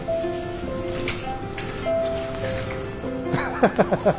ハハハハッ。